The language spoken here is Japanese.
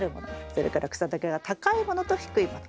それから草丈が高いものと低いもの